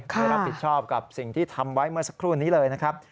ไม่รับผิดชอบกับสิ่งที่ทำไว้เมื่อสักครู่นี้เลยนะครับ